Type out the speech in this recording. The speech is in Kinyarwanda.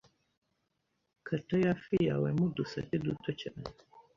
Kata ya fi yawe mo udusate duto cyane